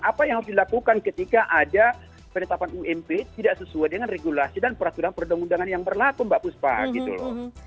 apa yang harus dilakukan ketika ada penetapan ump tidak sesuai dengan regulasi dan peraturan perundang undangan yang berlaku mbak puspa gitu loh